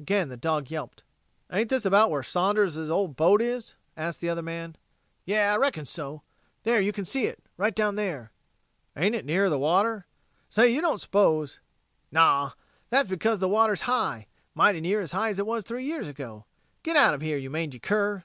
Again the dog yelped. "Ain't this about where Saunders' old boat is?" asked the other man. "Yeh, I reckon so. There you can see it right down there." "Ain't it nearer the water? Say, you don't s'pose...?" "Naw, that's because the water's high mighty near as high as it was three years ago. Get out of here, you mangy cur!"